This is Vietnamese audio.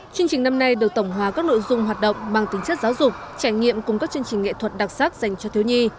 chương trình năm nay được tổng hòa các nội dung hoạt động bằng tính chất giáo dục trải nghiệm cùng các chương trình nghệ thuật đặc sắc dành cho thiếu nhi